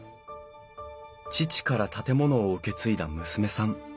父から建物を受け継いだ娘さん。